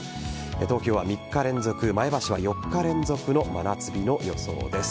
東京は３日連続前橋は４日連続の真夏日の予想です。